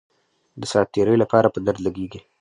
د ساعت تیرۍ لپاره په درد لګېږي.